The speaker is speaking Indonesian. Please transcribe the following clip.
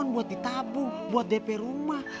buat ditabung buat dp rumah